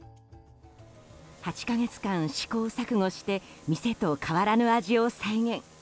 ８か月間、試行錯誤して店と変わらぬ味を再現。